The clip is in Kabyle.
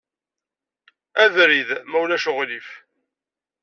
Abrid, ma ulac aɣilif.